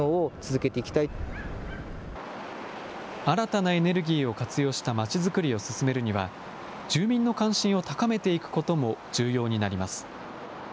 新たなエネルギーを活用したまちづくりを進めるには住民の関心を高めていくことも重要になります。